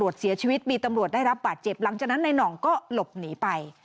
เสียชีวิตมีตำรวจได้รับบาดเจ็บหลังจากนั้นนายหน่องก็หลบหนีไป